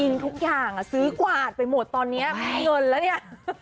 จริงทุกอย่างซื้อกวาดไปหมดตอนนี้เงินแล้วเนี่ย